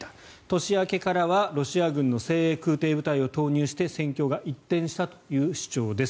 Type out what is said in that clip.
年明けからは、ロシア軍の精鋭空てい部隊を投入して戦況が一転したという主張です。